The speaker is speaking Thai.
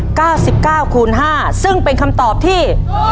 เก้าสิบเก้าคูณห้าซึ่งเป็นคำตอบที่